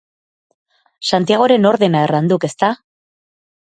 Santiagoren ordena erran duk, ezta?